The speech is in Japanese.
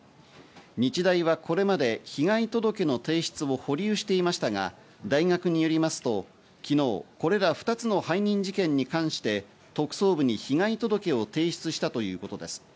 日大はこれまで被害届の提出を保留していましたが、大学によりますと昨日、これら２つの背任事件に関して特捜部に被害届を提出したということです。